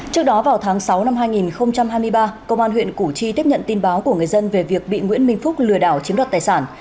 trước đó vào tháng sáu năm hai nghìn hai mươi ba công an huyện củ chi tiếp nhận tin báo của người dân về việc bị nguyễn minh phúc lừa đảo chiếm đoạt tài sản